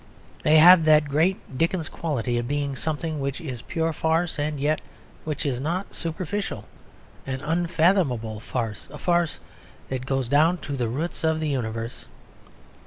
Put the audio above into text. They have that great Dickens quality of being something which is pure farce and yet which is not superficial; an unfathomable farce a farce that goes down to the roots of the universe.